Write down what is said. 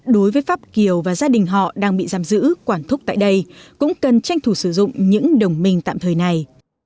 đối với pháp kiều và gia đình họ đang bị giam giữ quản thúc tại đây cũng cần tranh thủ sử dụng những đồng minh tạm thời này